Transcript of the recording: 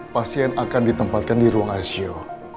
pasien akan ditempatkan di ruang icu